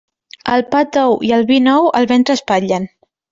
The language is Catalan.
El pa tou i el vi nou el ventre espatllen.